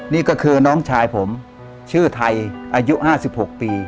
นี่ก็คือน้องชายผมชื่อไทยอายุ๕๖ปี